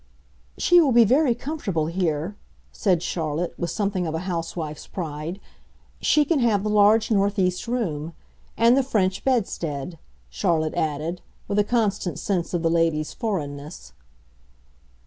"She will be very comfortable here," said Charlotte, with something of a housewife's pride. "She can have the large northeast room. And the French bedstead," Charlotte added, with a constant sense of the lady's foreignness.